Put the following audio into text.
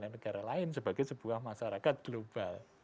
dan negara lain sebagai sebuah masyarakat global